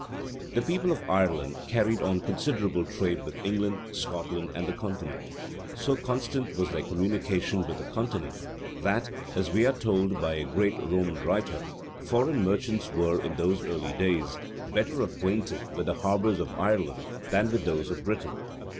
The people of Ireland carried on considerable trade with England, Scotland, and the Continent. So constant was their communication with the Continent, that, as we are told by a great Roman writer, foreign merchants were, in those early days, better acquainted with the harbours of Ireland than with those of Britain.